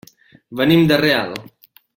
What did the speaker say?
Venim de Real.